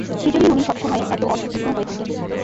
সেজন্যই উনি সবসময়ে এত অসহিষ্ণু হয়ে থাকেন।